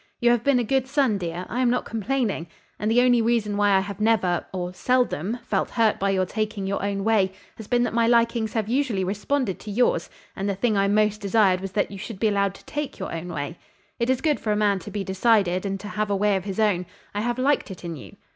You have been a good son, dear: I am not complaining. And the only reason why I have never or seldom felt hurt by your taking your own way has been that my likings have usually responded to yours, and the thing I most desired was that you should be allowed to take your own way. It is good for a man to be decided and to have a way of his own: I have liked it in you.